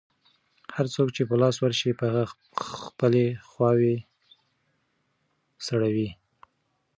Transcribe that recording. هر څوک چې په لاس ورشي، په هغه خپلې خواوې سړوي.